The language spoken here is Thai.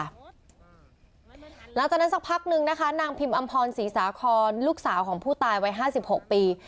หลังจากนั้นสักพักนึงนะคะนางพิมอำพรศรีสาคอนลูกสาวของผู้ตายวัย๕๖ปี